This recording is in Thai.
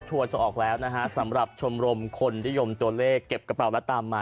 จะออกแล้วนะฮะสำหรับชมรมคนนิยมตัวเลขเก็บกระเป๋าและตามมา